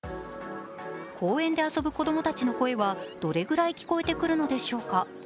公園で遊ぶ子供たちの声はどれぐらい聞こえてくるのでしょうか。